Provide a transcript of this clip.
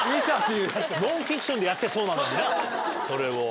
ノンフィクションでやってそうだもんなそれを。